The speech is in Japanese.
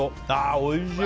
おいしい！